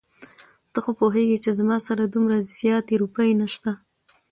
ته خو پوهېږې چې زما سره دومره زياتې روپۍ نشته.